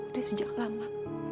udah sejak lama